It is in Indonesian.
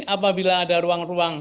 apabila ada ruang ruang